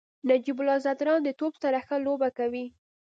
نجیب الله زدران د توپ سره ښه لوبه کوي.